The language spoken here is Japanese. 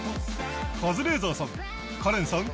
カズレーザーさんカレンさん